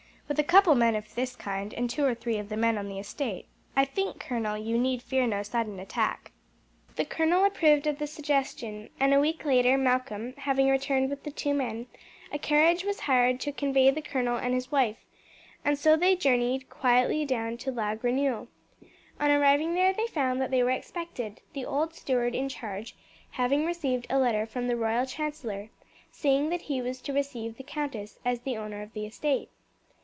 With a couple of men of this kind, and two or three of the men on the estate, I think, colonel, you need fear no sudden attack." The colonel approved of the suggestion, and a week later, Malcolm having returned with the two men, a carriage was hired to convey the colonel and his wife, and so they journeyed quietly down to La Grenouille. On arriving there they found that they were expected, the old steward in charge having received a letter from the royal chancellor, saying that he was to receive the countess as the owner of the estate.